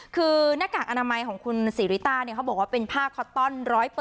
คือหน้ากากอนามัยของคุณศรีริต้าเขาบอกว่าเป็นผ้าคอตตอน๑๐๐